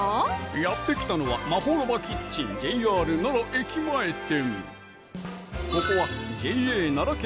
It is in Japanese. やって来たのはまほろばキッチンＪＲ奈良駅前店